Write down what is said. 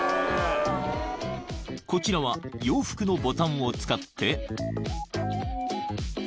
［こちらは洋服のボタンを使って］